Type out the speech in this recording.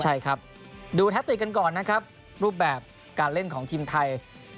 ใช่ครับดูแทคติกกันก่อนนะครับรูปแบบการเล่นของทีมไทย